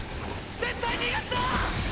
絶対、逃がすな！